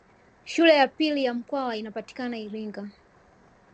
Shule ya pili ya Mkwawa inapatikana Iringa